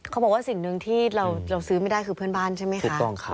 เขาบอกว่าสิ่งหนึ่งที่เราซื้อไม่ได้คือเพื่อนบ้านใช่ไหมคะ